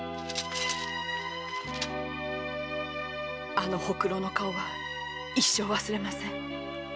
あのホクロの顔は一生忘れません。